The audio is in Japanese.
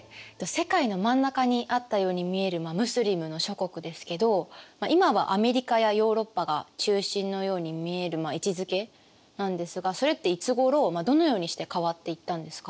世界の真ん中にあったように見えるムスリムの諸国ですけど今はアメリカやヨーロッパが中心のように見える位置づけなんですがそれっていつごろどのようにして変わっていったんですか？